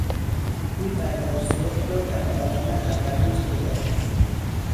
او بعد از ظهر را در عالم هپروت گذراند.